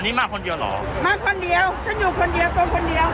นี่มาคนเดียวเหรอมาคนเดียวฉันอยู่คนเดียวตนคนเดียว